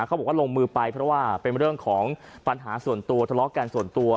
เขาบอกว่าลงมือไปเพราะว่าเป็นเรื่องของปัญหาส่วนตัวทะเลาะกันส่วนตัว